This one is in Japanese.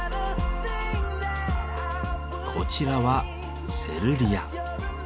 こちらは「セルリア」。